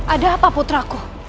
ada apa putraku